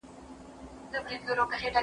داسي شرط زموږ په نصیب دی رسېدلی